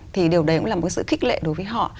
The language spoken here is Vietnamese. thì điều đấy cũng là một sự khích lệ đối với họ